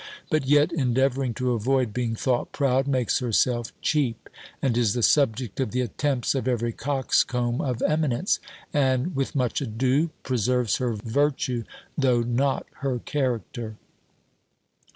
But yet endeavouring to avoid being thought proud, makes herself cheap, and is the subject of the attempts of every coxcomb of eminence; and with much ado, preserves her virtue, though not her character.